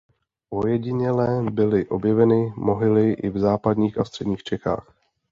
Ojediněle byly objeveny mohyly i v západních a středních Čechách.